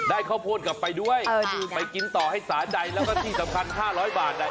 ข้าวโพดกลับไปด้วยไปกินต่อให้สาใจแล้วก็ที่สำคัญ๕๐๐บาท